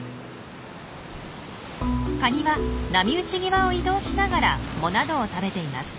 カニは波打ち際を移動しながら藻などを食べています。